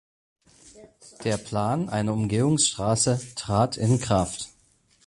Der Plan einer Umgehungsstraße trat in Kraft.